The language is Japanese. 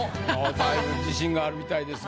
だいぶ自信があるみたいですが。